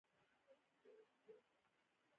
سړه هوا ښکته ځي او ګرمه هوا پورته کېږي.